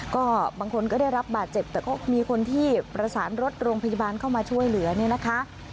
ก็บางคนก็ได้รับบาดเจ็บแต่ก็มีคนที่ประสานรถโรงพยาบาลเข้ามาช่วยเหลือเนี่ยนะคะ